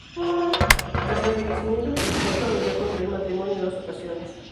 Tras el fallecimiento de su esposa, volvió a contraer matrimonio en dos ocasiones.